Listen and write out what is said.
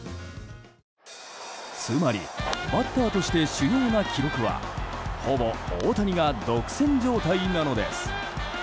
つまり、バッターとして主要な記録はほぼ大谷が独占状態なのです。